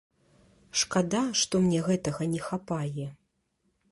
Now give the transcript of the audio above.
Шкада, што мне гэтага не хапае.